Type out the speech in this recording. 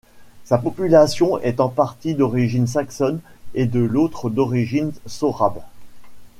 Sa population est en partie d'origine saxonne et de l'autre d'origine sorabe.